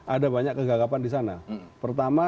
ada banyak kegagapan di sana pertama